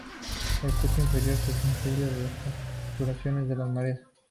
El curso inferior es sensible a las fluctuaciones de las mareas.